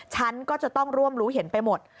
ฉันก็จะต้องร่วมรู้เห็นไปหมด